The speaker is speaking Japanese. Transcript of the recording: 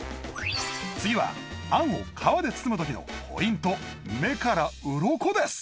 次は餡を皮で包むときのポイント目からうろこです